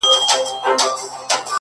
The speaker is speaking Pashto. زمــا دزړه د ائينې په خاموشـۍ كي ـ